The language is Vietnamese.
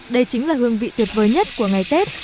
đây chính là hương vị tuyệt vời nhất của ngày tết